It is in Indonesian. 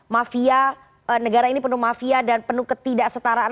mafia negara ini penuh mafia dan penuh ketidaksetaraan